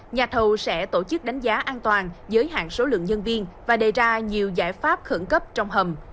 nhà thầu sẽ tổ chức đánh giá an toàn giới hạn số lượng nhân viên và đề ra nhiều giải pháp khẩn cấp trong hầm